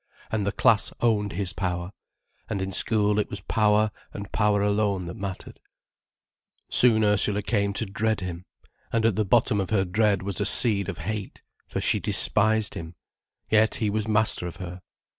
And the class owned his power. And in school it was power, and power alone that mattered. Soon Ursula came to dread him, and at the bottom of her dread was a seed of hate, for she despised him, yet he was master of her.